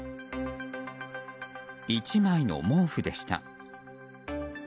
１枚の毛布でした。